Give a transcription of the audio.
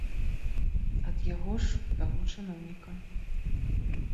Ад яго ж, таго чыноўніка.